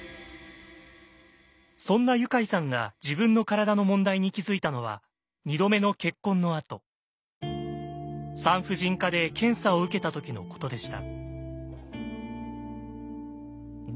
そんなユカイさんが自分の体の問題に気付いたのは産婦人科で検査を受けた時のことでした。